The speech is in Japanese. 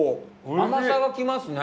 甘さがきますね。